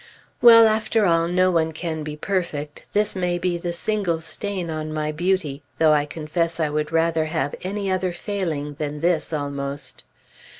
Well! after all, no one can be perfect; this may be the single stain on my Beauty, though I confess I would rather have any other failing than this, almost.